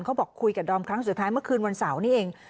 เขาบอกคุยกับดอมครั้งสุดท้ายเมื่อคืนวันเสาร์นี้เอง